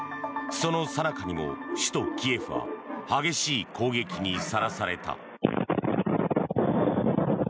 そのさなかにも首都キエフは激しい攻撃にさらされた。